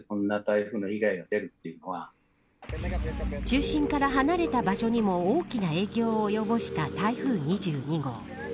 中心から離れた場所にも大きな影響を及ぼした台風２２号。